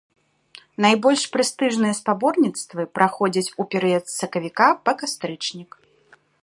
Найбольш прэстыжныя спаборніцтвы праходзяць у перыяд з сакавіка па кастрычнік.